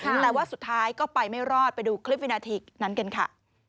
แต่ว่าสุดท้ายก็ไปไม่รอดไปดูคลิปวินาทีนั้นกันค่ะ